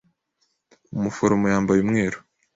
Umuforomo yambaye umweru.